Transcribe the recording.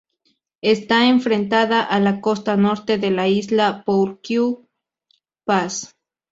Está enfrentada a la costa norte de la isla Pourquoi Pas.